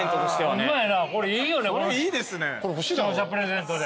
視聴者プレゼントで。